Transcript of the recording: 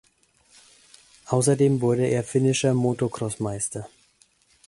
Außerdem wurde er finnischer Moto-Cross-Meister.